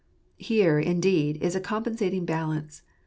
Here, indeed, is a compensating balance.